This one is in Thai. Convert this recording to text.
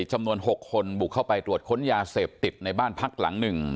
จำนวน๖คนบุกเข้าไปตรวจค้นยาเสพติดในบ้านพักหลัง๑